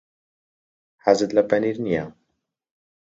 حەزت لە پەنیر نییە.